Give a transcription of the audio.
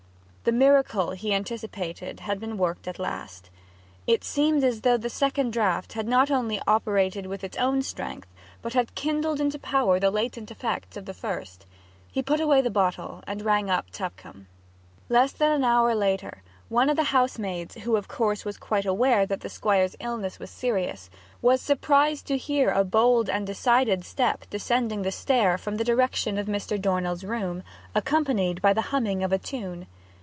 The miracle he anticipated had been worked at last. It seemed as though the second draught had not only operated with its own strength, but had kindled into power the latent forces of the first. He put away the bottle, and rang up Tupcombe. Less than an hour later one of the housemaids, who of course was quite aware that the Squire's illness was serious, was surprised to hear a bold and decided step descending the stairs from the direction of Mr. Dornell's room, accompanied by the humming of a tune.